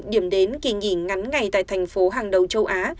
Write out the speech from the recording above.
điểm đến kỳ nghỉ ngắn ngày tại thành phố hàng đầu châu á